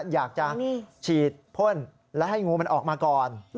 อยากจะฉีดพ่นและให้งูมันออกมาก่อน